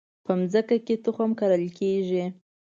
په مځکه کې تخم کرل کیږي